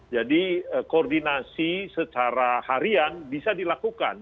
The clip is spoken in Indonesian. jadi koordinasi secara harian bisa dilakukan